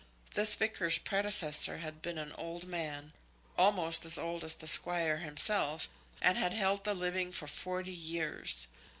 This vicar's predecessor had been an old man, almost as old as the Squire himself, and had held the living for forty years.